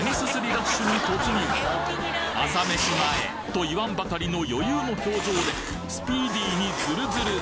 ラッシュに突入朝飯前と言わんばかりの余裕の表情でスピーディーにズルズル！